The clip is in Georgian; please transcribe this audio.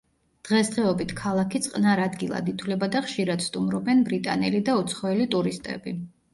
დღესდღეობით ქალაქი წყნარ ადგილად ითვლება და ხშირად სტუმრობენ ბრიტანელი და უცხოელი ტურისტები.